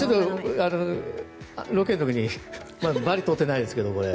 ロケの時にバリとってないですけど。